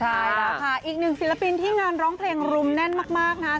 ใช่แล้วค่ะอีกหนึ่งศิลปินที่งานร้องเพลงรุมแน่นมากนะฮะ